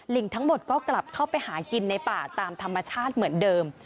ทั้งหมดก็กลับเข้าไปหากินในป่าตามธรรมชาติเหมือนเดิม